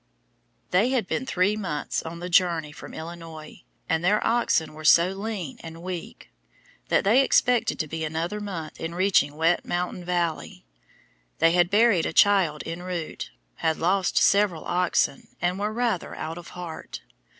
They had been three months on the journey from Illinois, and their oxen were so lean and weak that they expected to be another month in reaching Wet Mountain Valley. They had buried a child en route, had lost several oxen, and were rather out of heart.